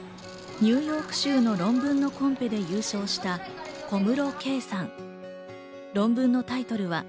ニューヨーク州の論文のコンペで優勝した小室圭さん。